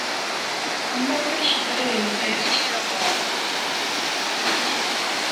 আমরা ওটার শিকারের এলাকায় আছি।